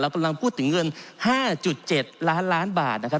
เรากำลังพูดถึงเงินห้าจุดเจ็ดล้านล้านบาทนะครับ